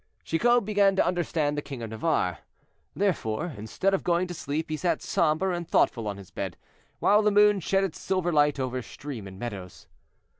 Chicot began to understand the king of Navarre. Therefore, instead of going to sleep, he sat somber and thoughtful on his bed, while the moon shed its silver light over stream and meadows.